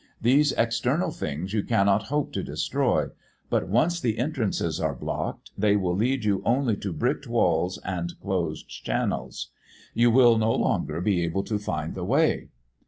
These external things you cannot hope to destroy, but once the entrances are blocked, they will lead you only to bricked walls and closed channels. You will no longer be able to find the way."